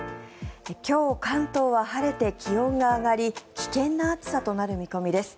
今日、関東は晴れて気温が上がり危険な暑さとなる見込みです。